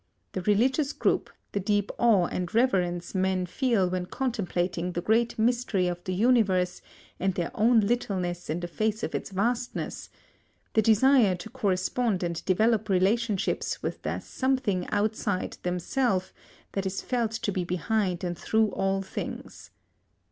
The religious group, the deep awe and reverence men feel when contemplating the great mystery of the Universe and their own littleness in the face of its vastness the desire to correspond and develop relationship with the something outside themselves that is felt to be behind and through all things.